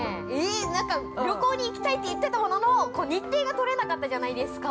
なんか、旅行に行きたいって言ってたものの日程が取れなかったじゃないですか。